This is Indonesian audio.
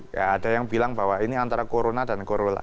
ya ada yang bilang bahwa ini antara corona dan corona